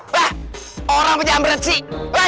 wah orang pejam berat sih